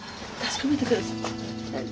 はい。